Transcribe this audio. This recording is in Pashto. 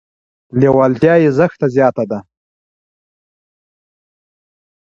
لیوالتیا یې زښته زیاته ده.